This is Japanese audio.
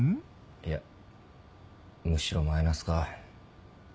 いやむしろマイナスか。